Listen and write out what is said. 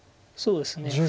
そうですね。